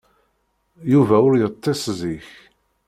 Yuba ur yeṭṭis zik.